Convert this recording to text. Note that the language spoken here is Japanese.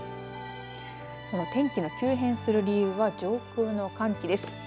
その天気の急変する理由は上空の寒気です。